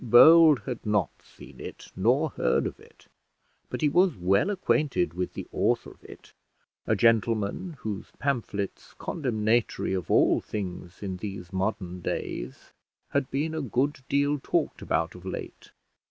Bold had not seen it nor heard of it; but he was well acquainted with the author of it, a gentleman whose pamphlets, condemnatory of all things in these modern days, had been a good deal talked about of late.